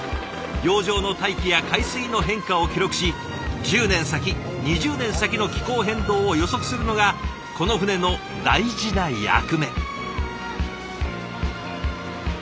洋上の大気や海水の変化を記録し１０年先２０年先の気候変動を予測するのがこの船の大事な役目。